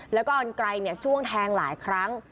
แล้วก็อันไกลจ้วงแทงหลายครั้ง